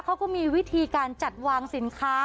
เขาก็มีวิธีการจัดวางสินค้า